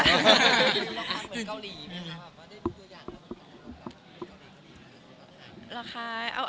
คุณรอกภาพเหมือนเกาหลีไหมคะว่าได้ดูด้วยอย่างแล้วมันจะเป็นอะไรค่ะ